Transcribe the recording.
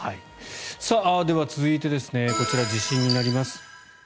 では、続いてこちら地震になります。